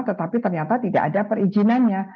tetapi ternyata tidak ada perizinannya